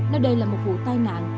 nếu đây là một vụ tai nạn